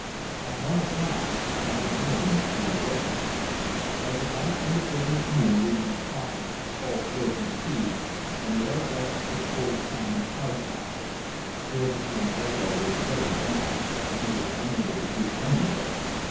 At one o'clock (Friday morning) we awoke. By the light of the brilliant moon we made coffee, called George and Steve and ate our breakfast of cold salmon and hardtack. George's lumbago was very bad, and he was unable to do any work.